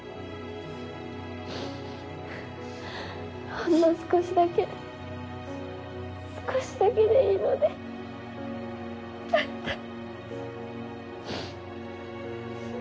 ほんの少しだけ少しだけでいいので会いたい。